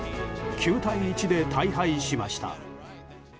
９対１で大敗しました。